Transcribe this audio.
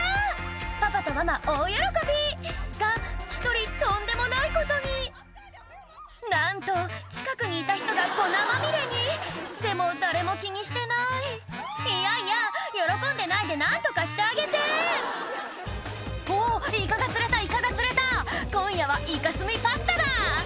パパとママ大喜びが１人とんでもないことになんと近くにいた人が粉まみれにでも誰も気にしてないいやいや喜んでないで何とかしてあげて「おぉイカが釣れたイカが釣れた」「今夜はイカ墨パスタだ」